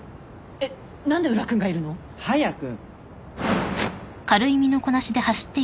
えっ何で宇良君がいるの？早く！